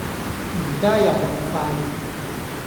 而家有武肺